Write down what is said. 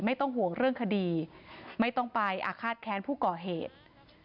ไม่ต้องห่วงเรื่องคดีไม่ต้องไปอาฆาตแค้นผู้ก่อเหตุ